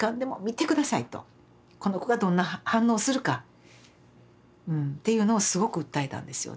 この子がどんな反応をするかっていうのをすごく訴えたんですよね。